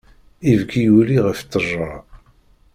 Ibki yuli ɣef ttejra.